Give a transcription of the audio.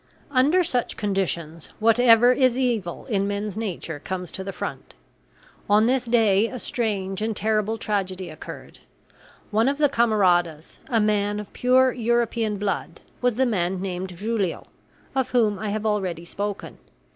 Under such conditions whatever is evil in men's natures comes to the front. On this day a strange and terrible tragedy occurred. One of the camaradas, a man of pure European blood, was the man named Julio, of whom I have already spoken.